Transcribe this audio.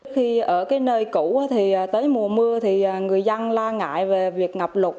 khi ở nơi cũ tới mùa mưa người dân la ngại về việc ngập lục